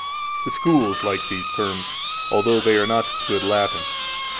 (The schools like these terms, although they are not good Latin.)